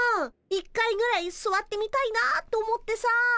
一回ぐらいすわってみたいなと思ってさ。